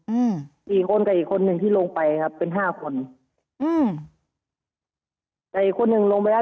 อืมสี่คนกับอีกคนหนึ่งที่ลงไปครับเป็นห้าคนอืมแต่อีกคนหนึ่งลงไปแล้ว